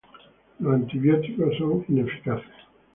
Los antibióticos son ineficaces.